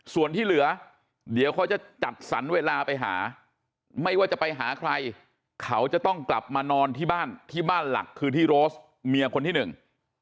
ส่วนที่เหลือเดี๋ยวเขาจะจัดสรรเวลาไปหาไม่ว่าจะไปหาใครเขาจะต้องกลับมานอนที่บ้านที่บ้านหลักคือที่โรสเมียคนที่หนึ่ง